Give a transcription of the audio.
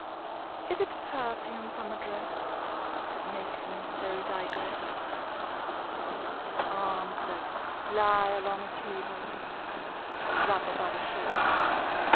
Is it perfume from a dress That makes me so digress? Arms that lie along a table, or wrap about a shawl.